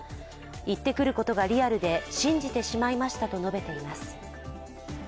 言ってくることがリアルで信じてしまいましたと述べています。